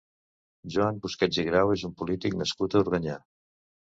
Joan Busquets i Grau és un polític nascut a Organyà.